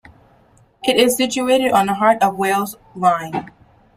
It is situated on the Heart of Wales Line.